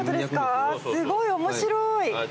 すごい。面白い。